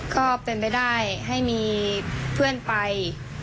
ก็เป็นไปได้ให้มีเพื่อนไป